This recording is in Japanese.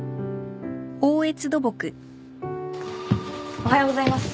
おはようございます。